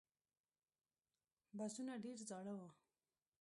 بسونه ډېر زاړه و.